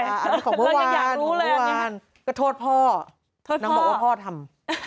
อันนั้นของเมื่อวานของเมื่อวานก็โทษพ่อน้องบอกว่าพ่อทำ